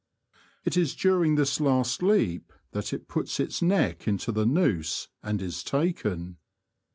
It is during this last leap that it puts its neck into the noose and is taken.